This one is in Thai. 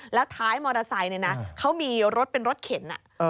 แล้วท้ายมอเตอร์ไซต์เขามีรถเป็นรถเข็น